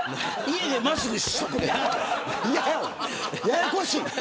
ややこしいわ。